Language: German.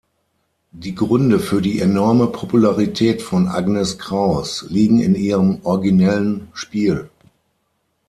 Die Gründe für die enorme Popularität von Agnes Kraus liegen in ihrem originellen Spiel.